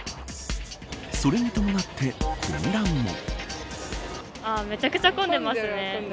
それに伴って、混乱も。